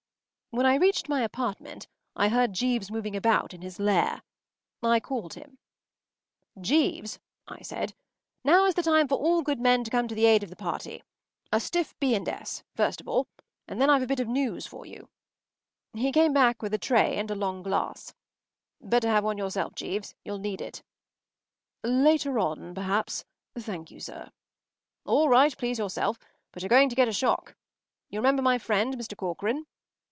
When I reached my apartment I heard Jeeves moving about in his lair. I called him. “Jeeves,” I said, “now is the time for all good men to come to the aid of the party. A stiff b. and s. first of all, and then I’ve a bit of news for you.” He came back with a tray and a long glass. “Better have one yourself, Jeeves. You’ll need it.” “Later on, perhaps, thank you, sir.” “All right. Please yourself. But you’re going to get a shock. You remember my friend, Mr. Corcoran?